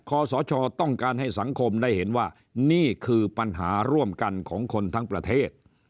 ขอสชต้องการให้สังคมได้เห็นว่านี่คือปัญหาร่วมกันของคนทั้งประเทศ